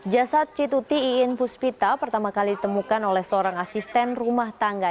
jasad cituti iin puspita pertama kali ditemukan oleh seorang asisten rumah tangga